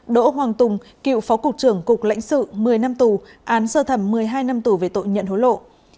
năm đỗ hoàng tùng cựu phó cục trưởng cục lãnh sự một mươi năm tù án sơ thẩm một mươi hai năm tù về tội nhận hối lộ